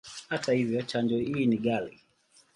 Hata hivyo, chanjo hii ni ghali.